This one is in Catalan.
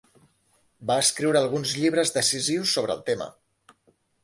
Va escriure alguns llibres decisius sobre el tema.